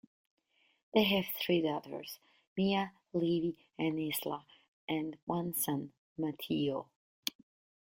They have three daughters: Mia, Livvy, and Isla, and one son, Matteo.